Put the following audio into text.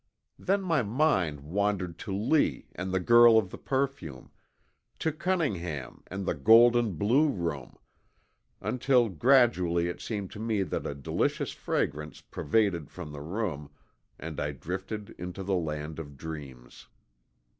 Then my mind wandered to Lee and the girl of the perfume, to Cunningham and the gold and blue room, until gradually it seemed to me that a delicious fragrance pervaded the room, and I drifted into the land of dreams.